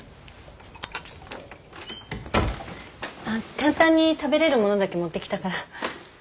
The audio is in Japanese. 簡単に食べれるものだけ持ってきたから。